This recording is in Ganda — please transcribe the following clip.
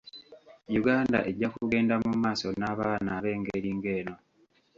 Uganda ejja kugenda mu maaso n'abaana ab'engeri ng'eno.